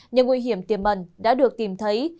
những nguy hiểm tiềm mẩn đã được tìm thấy